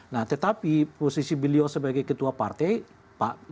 nah tetapi posisi beliau sebagai ketua partai pak